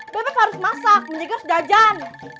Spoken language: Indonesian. bebek harus masak menjaga sedajan